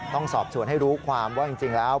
ต้องสอบสวนให้รู้ความว่าจริงแล้ว